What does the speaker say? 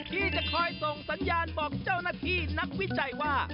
ที่จะคอยส่งสัญญาณบอกเจ้าหน้าที่นักวิจัยว่า